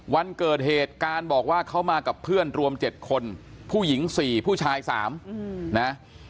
วันเกิดเหตุการณ์บอกว่าเขามากับเพื่อนรวม๗คนผู้หญิง๔ผู้ชาย๓นะ